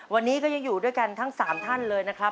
วันนี้ก็ยังอยู่ด้วยกันทั้ง๓ท่านเลยนะครับ